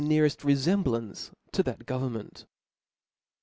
neareft refemblance to that government.